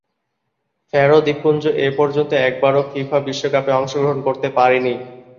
Faroe দ্বীপপুঞ্জ এপর্যন্ত একবারও ফিফা বিশ্বকাপে অংশগ্রহণ করতে পারেনি।